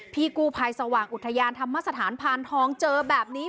พี่กู้ภัยสว่างอุทยานธรรมสถานพานทองเจอแบบนี้